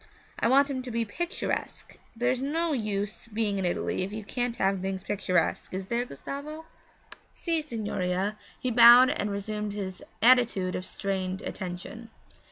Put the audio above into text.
I want him to be picturesque there's no use being in Italy if you can't have things picturesque, is there, Gustavo?' 'Si, signorina,' he bowed and resumed his attitude of strained attention.